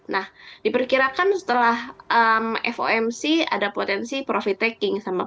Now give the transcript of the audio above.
nah diperkirakan setelah fomc ada potensi profit taking sama pelaku pasar